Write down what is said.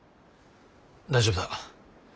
大丈夫だ。